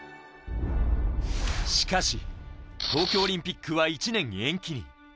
しかし東京オリンピックは１年延期。